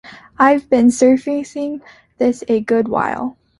I've been surfacing this a good while.